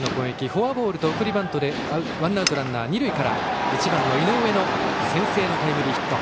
フォアボールと送りバントでワンアウトランナー、二塁から１番、井上の先制タイムリーヒット。